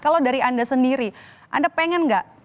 kalau dari anda sendiri anda pengen nggak